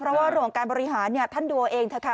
เพราะว่าหลวงการบริหารเนี่ยท่านดูเอาเองเถอะค่ะ